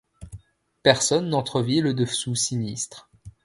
Personne n’entrevit le dessous sinistre.